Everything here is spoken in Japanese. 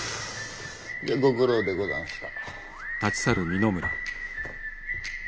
じゃご苦労でござんした。